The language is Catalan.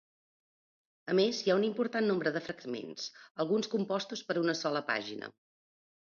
A més hi ha un important nombre de fragments, alguns compostos per una sola pàgina.